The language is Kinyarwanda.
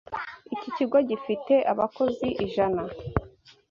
Iki kigo gifite abakozi ijana.